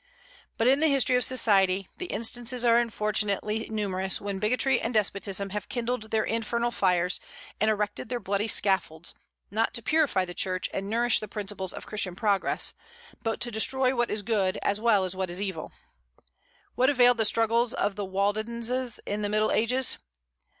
But in the history of society the instances are unfortunately numerous when bigotry and despotism have kindled their infernal fires and erected their bloody scaffolds, not to purify the Church and nourish the principles of Christian progress, but to destroy what is good as well as what is evil. What availed the struggles of the Waldenses in the Middle Ages?